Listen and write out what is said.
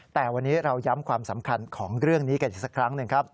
แต่วันนี้เราย้ำความสำคัญของเรื่องนี้กันอีกสักครั้งหนึ่งครับ